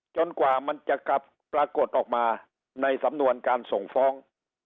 กว่ามันจะกลับปรากฏออกมาในสำนวนการส่งฟ้อง